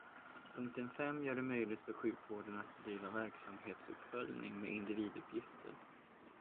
Punkten fem gör det möjligt för sjukvården att bedriva verksamhetsuppföljning med individuppgifter.